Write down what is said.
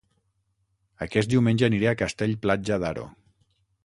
Aquest diumenge aniré a Castell-Platja d'Aro